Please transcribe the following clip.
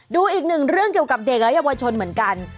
ดูอีกหนึ่งเรื่องเกี่ยวกับเด็กและเยาวชนเหมือนกัน